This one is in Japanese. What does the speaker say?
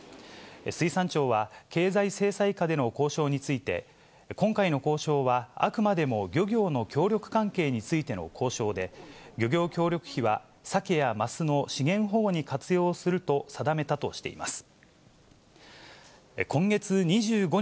水産庁は、経済制裁下での交渉について、今回の交渉は、あくまでも漁業の協力関係についての交渉で、漁業協力費は、サケやマスの資源保護に活用すると定めたとしています。